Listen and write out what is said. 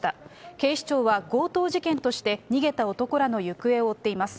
警視庁は強盗事件として、逃げた男らの行方を追っています。